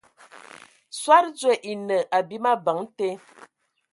Soad dzoe e enə abim abəŋ te.